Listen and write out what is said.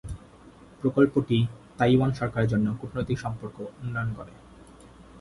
প্রকল্পটি তাইওয়ান সরকারের জন্য কূটনৈতিক সম্পর্ক উন্নয়ন করে।